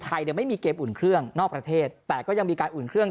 เนี่ยไม่มีเกมอุ่นเครื่องนอกประเทศแต่ก็ยังมีการอุ่นเครื่อง